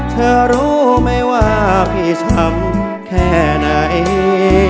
เธอรู้ไหมว่าพี่ทำแค่ไหน